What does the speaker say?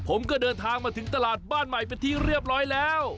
ผมก็เดินทางมาถึงตลาดบ้านใหม่เป็นที่เรียบร้อยแล้ว